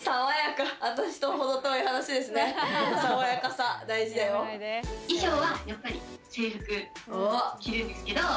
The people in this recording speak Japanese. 爽やかさ、大事だよ。